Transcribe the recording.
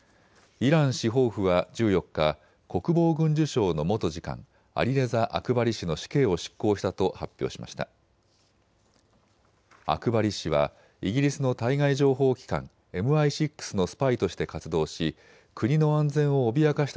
イラン司法府は１４日、国防軍需省の元次官、アリレザ・アクバリ氏の死刑を執行したと発表しました。